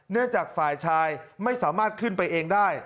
จากฝ่ายชายไม่สามารถขึ้นไปเองได้